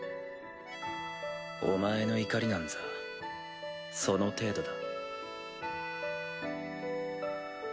お前の怒りなんざその程度だ。